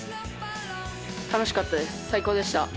楽しかったです、最高でした。